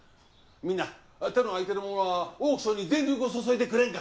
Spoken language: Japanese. みんな手の空いてる者はオークションに全力を注いでくれんか。